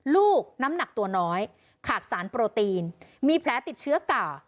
ลูกน้ำหนักตัวน้อยขาดสารโปรตีนมีแผลติดเชื้อก่า